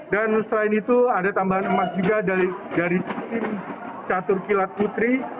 dan selain itu ada tambahan emas juga dari tim catur kilat putri